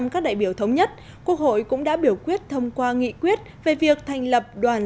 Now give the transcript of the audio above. các đại biểu thống nhất quốc hội cũng đã biểu quyết thông qua nghị quyết về việc thành lập đoàn